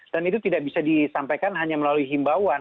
dan itu tidak bisa disampaikan hanya melalui himbauan